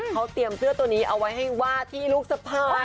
เขาเตรียมเสื้อตัวนี้เอาไว้ให้ว่าที่ลูกสะพ้าย